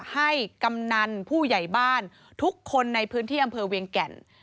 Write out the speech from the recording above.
กำนันผู้ใหญ่บ้านทุกคนในพื้นที่อำเภอเวียงแก่น